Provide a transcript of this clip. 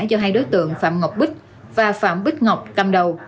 do hai đối tượng phạm ngọc bích và phạm bích ngọc cầm đầu